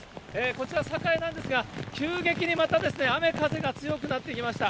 こちら、栄なんですが、急激にまたですね、雨風が強くなってきました。